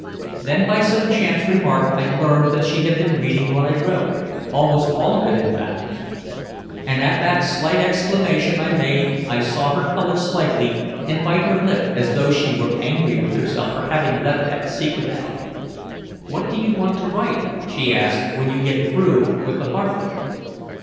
Then by some chance remark I learned that she had been reading what I wrote, almost all of it, in fact. And at the slight exclamation I made I saw her color slightly and bite her lip as though she were angry with herself for having let that secret out. "What do you want to write," she asked, "when you get through with the harbor?"